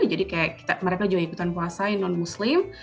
jadi kayak mereka juga ikutan puasa non muslim